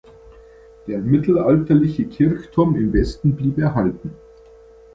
Der mittelalterliche Kirchturm im Westen blieb erhalten.